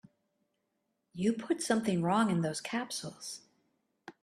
You put something wrong in those capsules.